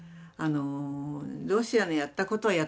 ロシアのやったことはやったことです。